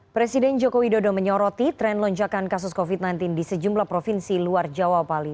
presiden joko widodo menyoroti tren lonjakan kasus covid sembilan belas di sejumlah provinsi luar jawa bali